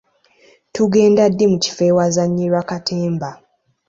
Tugenda ddi mu kifo ewazannyirwa katemba?